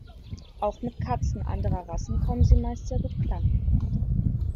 Auch mit Katzen anderer Rassen kommen sie meist sehr gut klar.